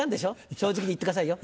正直に言ってくださいよ。